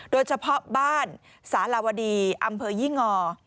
โดยเฉพาะบ้านสารวดีอำเภอยี่งอ